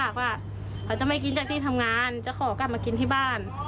เขาจะไม่กินจากที่ทำงานจะขอกลับมากินที่บ้าน